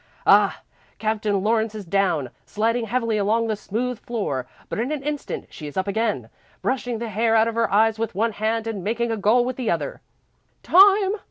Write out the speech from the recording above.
Ah! Captain Lawrence is down, sliding heavily along the smooth floor; but in an instant she is up again, brushing the hair out of her eyes with one hand and making a goal with the other. "Time!"